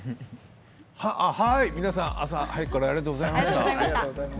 皆さん、朝早くからありがとうございました。